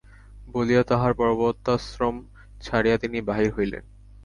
বলিয়া তাঁহার পর্বতাশ্রম ছাড়িয়া তিনি বাহির হইলেন।